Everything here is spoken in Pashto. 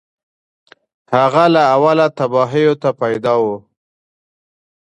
هغه له اوله تباهیو ته پیدا و